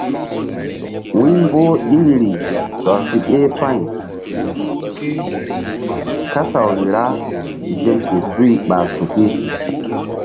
Wu̧y mboh iriri tɔr si ɗeh pa̧y kasawri ra zel ke suy ɓa suki.